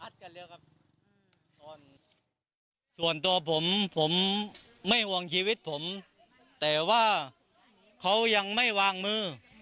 ส่วนตัวผมผมไม่ห่วงชีวิตผมแต่ว่าเขายังไม่วางมือ